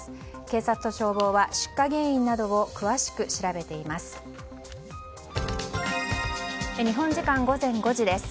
警察と消防は出火原因などを詳しく調べています。